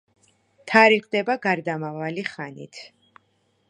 თარიღდება გარდამავალი ხანით.